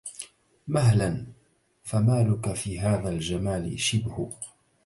مهلا فمالك في هذا الجمال شبه